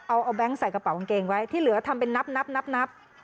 เอาแบงค์ใส่กระเป๋ากางเกงไว้ที่เหลือทำเป็นนับนับ